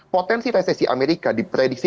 potensi resesi amerika diprediksi